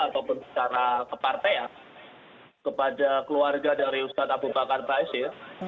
ataupun secara kepartean kepada keluarga dari ustadz abu bakar basir